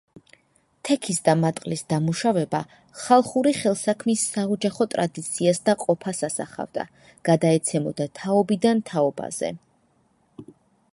თექის და მატყლის დამუშავება ხალხური ხელსაქმის საოჯახო ტრადიციას და ყოფას ასახავდა, გადაეცემოდა თაობიდან თაობაზე.